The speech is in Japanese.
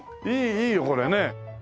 いいよこれね。